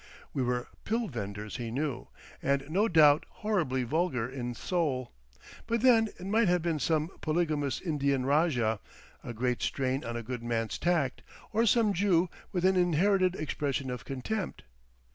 We were pill vendors he knew, and no doubt horribly vulgar in soul; but then it might have been some polygamous Indian rajah, a great strain on a good man's tact, or some Jew with an inherited expression of contempt.